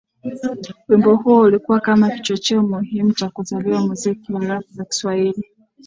Wimbo huo ulikuwa kama kichocheo muhimu cha kuzaliwa muziki wa Rap za Kiswahili